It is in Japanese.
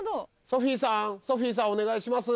ソフィさんソフィさんお願いします。